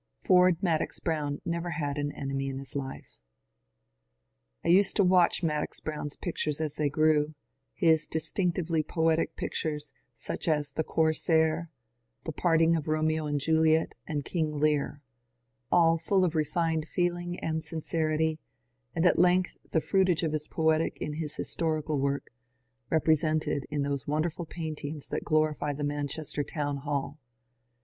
Ford Madox Brown never had an enemy in his life. I used to watch Madox Brown's pictures as they grew, — his distinctively poetic pictures, such as the Corsair, the Part ing of Romeo and Juliet, and King Lear ; aU full of refined feeling and sincerity ; and at length the fruitage of his poetic in his historical work, — represented in those wonderful paint ings that glorify the Manchester Town Hall.